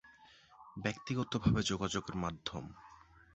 ব্যক্তিগতভাবে যোগাযোগের মাধ্যমে।